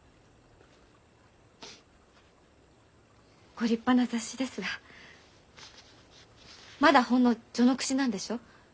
ご立派な雑誌ですがまだほんの序の口なんでしょ？